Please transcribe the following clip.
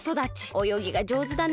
およぎがじょうずだね。